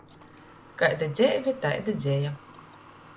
Kaida dzeive, taida dzeja.